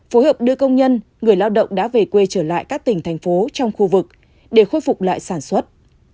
phối hợp đưa công nhân người lao động đã về quê trở lại các tỉnh thành phố trong khu vực để khôi phục lại sản xuất